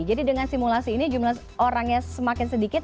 jadi dengan simulasi ini jumlah orangnya semakin sedikit